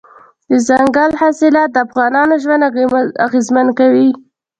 دځنګل حاصلات د افغانانو ژوند اغېزمن کوي.